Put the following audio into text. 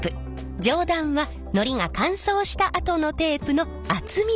上段はのりが乾燥したあとのテープの厚みを示しています。